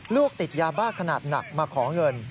ติดยาบ้าขนาดหนักมาขอเงิน